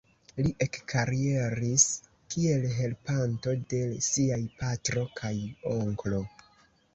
Li ekkarieris kiel helpanto de siaj patro kaj onklo.